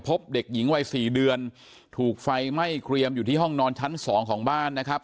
เด็กหญิงวัยสี่เดือนถูกไฟไหม้เกรียมอยู่ที่ห้องนอนชั้นสองของบ้านนะครับ